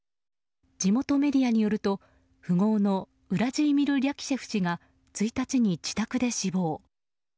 地元メディアによると、富豪のウラジーミル・リャキシェフ氏が１日に自宅で死亡。